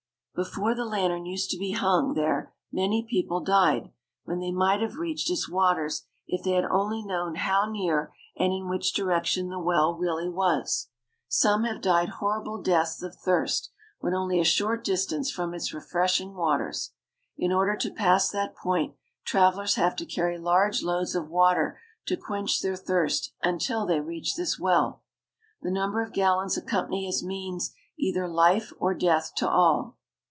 Before the lantern used to be hung there many people died when they might have reached its waters if they had only known how near and in which direction the well really was. Some have died horrible deaths of thirst when only a short distance from its refreshing waters. In order to pass that point travelers have to carry large loads of water to quench their thirst until they reach this well. The number of gallons a company has means either life or death to all.